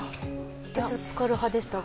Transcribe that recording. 私はつかる派でしたが。